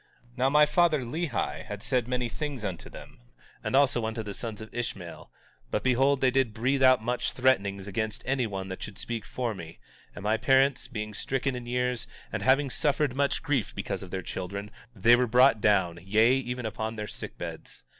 18:17 Now my father, Lehi, had said many things unto them, and also unto the sons of Ishmael; but, behold, they did breathe out much threatenings against anyone that should speak for me; and my parents being stricken in years, and having suffered much grief because of their children, they were brought down, yea, even upon their sick beds.